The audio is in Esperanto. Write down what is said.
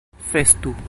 festu